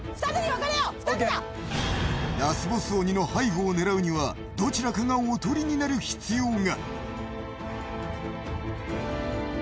ラスボス鬼の背後を狙うにはどちらかがおとりになる必要が。